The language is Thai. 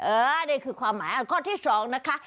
นี่คือความหมายข้อที่๒นะคะ